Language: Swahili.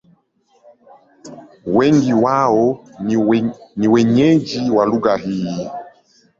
Wengi wao ni wenyeji wa lugha hii.